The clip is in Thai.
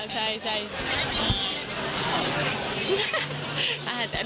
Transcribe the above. ใช่ใช่ใช่